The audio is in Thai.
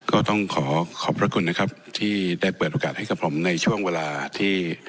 ก็ต้องขอขอบพระคุณนะครับที่ได้เปิดโอกาสให้กับผมในช่วงเวลาที่